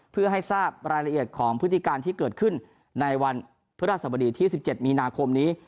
เพื่อให้ทราบรายละเอียดของพฤติการที่เกิดขึ้นในวันพฤหัสบดีที่๑๗มีนาคมนี้